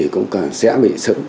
cũng sẽ bị